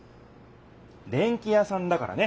電器屋さんだからね！